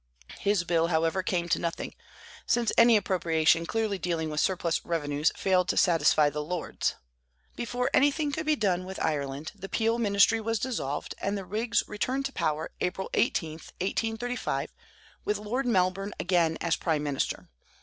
His bill, however, came to nothing, since any appropriation clearly dealing with surplus revenues failed to satisfy the Lords. Before anything could be done with Ireland, the Peel ministry was dissolved, and the Whigs returned to power, April 18, 1835, with Lord Melbourne again as prime minister.